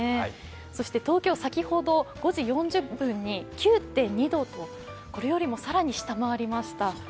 そして東京、先ほど５時４０分に９．２度とこれよりも更に下回りました。